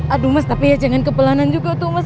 aduh mas tapi ya jangan kepelanan juga tuh mas